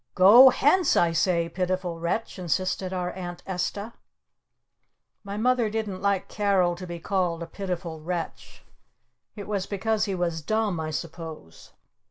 "Go hence, I say, Pitiful Wretch!" insisted our Aunt Esta. My Mother didn't like Carol to be called a "Pitiful Wretch." It was because he was dumb, I suppose.